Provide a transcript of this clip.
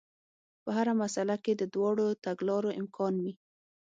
په هره مسئله کې د دواړو تګلارو امکان وي.